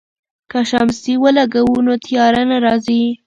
که شمسی ولګوو نو تیاره نه راځي.